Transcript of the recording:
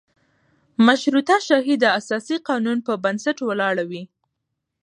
مشروطه شاهي د اساسي قانون په بنسټ ولاړه وي.